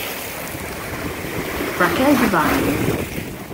Raquel Devine